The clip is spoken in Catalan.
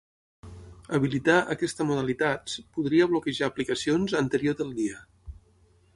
Habilitar aquesta modalitats podria bloquejar aplicacions anterior del dia.